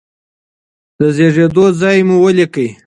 د زیږیدو ځای مو ولیکئ.